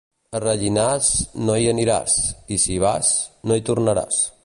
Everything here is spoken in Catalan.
A Rellinars no hi aniràs, i si hi vas, no hi tornaràs.